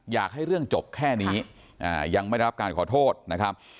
อยากให้เรื่องจบแค่นี้ยังไม่ได้รับการขอโทษนะครับ